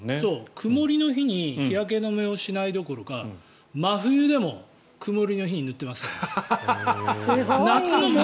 曇りの日に日焼け止めをしないどころか真冬でも曇りの日に塗っていますから。